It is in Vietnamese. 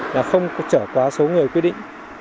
là không trở quá số người quy định